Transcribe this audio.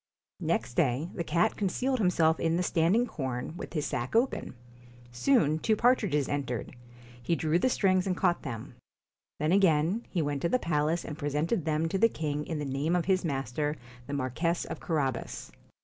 Next day the cat concealed himself in the stand ing corn, with his sack open. Soon two partridges entered ; he drew the strings and caught them. Then again, he went to the palace, and presented them to the king in the name of his master, the Marquess of Carabas.